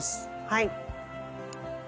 はい。